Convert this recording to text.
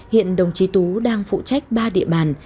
hiện đồng chí tú đang phụ trách ba địa bàn